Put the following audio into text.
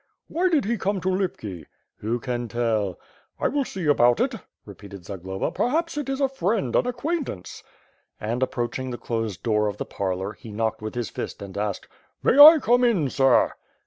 "Why did he come to Lipki?" "Who can tell?" "I will see about it," repeated Zagloba/ "perhaps it is a friend, an acquaintance." And approaching the closed door of the parlor, he knocked with his fist and asked: "May I come in, sir?"